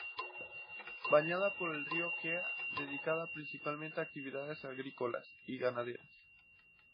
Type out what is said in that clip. Bañada por el río Cea, dedicada principalmente a actividades agrícolas y ganaderas.